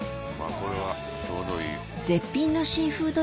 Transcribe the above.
これはちょうどいい。